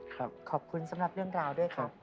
ขอบคุณสำหรับเรื่องราวด้วยครับ